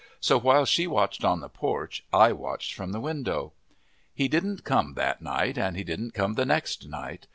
So while she watched on the porch, I watched from the window. He didn't come that night, and he didn't come the next night.